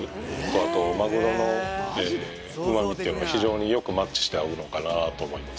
あとまぐろの旨味っていうのが非常によくマッチして合うのかなと思います